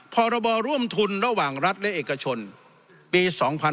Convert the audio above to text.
พรบร่วมทุนระหว่างรัฐและเอกชนปี๒๕๕๙